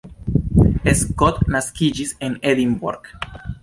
Scott naskiĝis en Edinburgh.